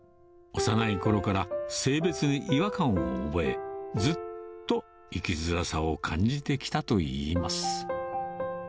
幼いころから、性別に違和感を覚え、ずっと生きづらさを感じてきたといいます。